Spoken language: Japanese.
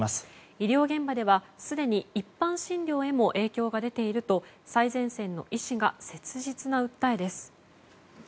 医療現場では、すでに一般診療にも影響が出ていると最前線の医師が切実な訴えです。